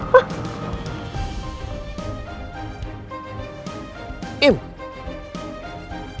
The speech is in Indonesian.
hah hah hah